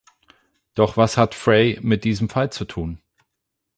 Doch was hat Frey mit diesem Fall zu tun?